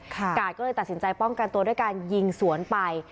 กาดก็เลยตัดสินใจป้องกันตัวด้วยการยิงสวนไป